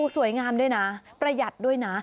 สวยงามด้วยนะประหยัดด้วยนะ